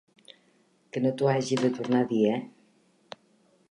Que no t'ho hagi de tornar a dir, eh?